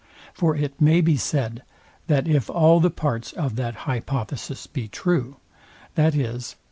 For it may be said, that if all the parts of that hypothesis be true, viz.